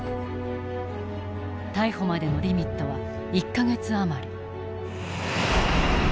逮捕までのリミットは１か月余り。